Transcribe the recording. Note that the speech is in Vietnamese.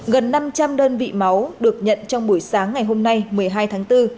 gần năm trăm linh đơn vị máu được nhận trong buổi sáng ngày hôm nay một mươi hai tháng bốn